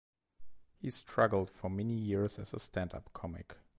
He struggled for many years as a stand-up comic.